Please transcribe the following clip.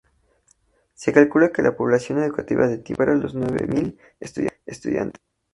Se calcula que la población educativa de Timaná supera los nueve mil estudiantes.